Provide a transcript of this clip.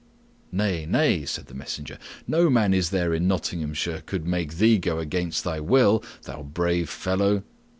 "Nay, nay," said the messenger, "no man is there in Nottinghamshire could make thee go against thy will, thou brave fellow."